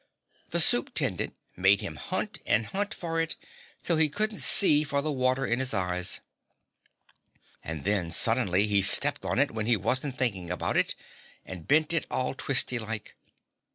The Supe'tendent made him hunt and hunt for it till he couldn't see for the water in his eyes. And then, suddenly, he stepped on it when he wasn't thinking about it and bent it all twisty like.